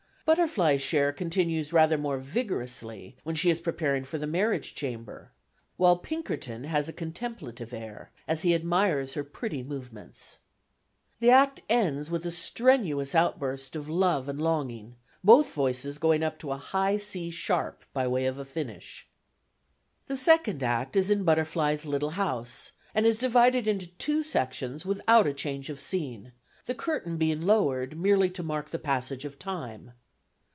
Butterfly's share continues rather more vigorously when she is preparing for the marriage chamber, while Pinkerton has a contemplative air as he admires her pretty movements. The act ends with a strenuous outburst of love and longing, both voices going up to a high C sharp by way of a finish. The second act is in Butterfly's little house, and is divided into two sections without a change of scene, the curtain being lowered merely to mark the passage of time.